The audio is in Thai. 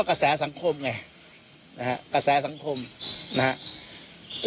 กระแสสังคมไงนะฮะกระแสสังคมนะครับ